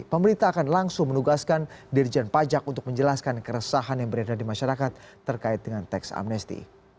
pemerintah akan langsung menugaskan dirjen pajak untuk menjelaskan keresahan yang beredar di masyarakat terkait dengan teks amnesti